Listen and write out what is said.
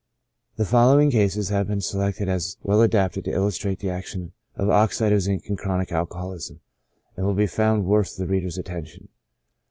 The following cases have been selected as well adapted to illustrate the action of oxide of zinc in chronic alcohol ism, and will be found worth the reader's attention.